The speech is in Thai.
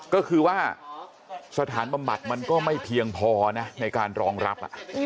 ก็คือว่าสถานบำบัดมันก็ไม่เพียงพอนะในการรองรับ